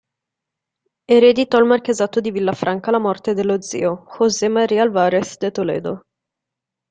Ereditò il marchesato di Villafranca alla morte dello zio, José María Álvarez de Toledo.